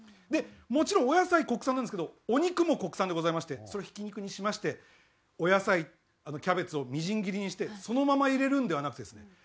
でもちろんお野菜国産なんですけどお肉も国産でございましてそれをひき肉にしましてお野菜キャベツをみじん切りにしてそのまま入れるのではなくてですね